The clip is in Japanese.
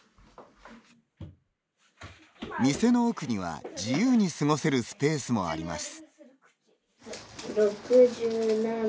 店の奥には、自由に過ごせるスペースもあります。